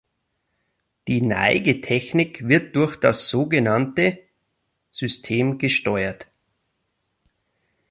Die Neigetechnik wird durch das sogenannte „“-System gesteuert.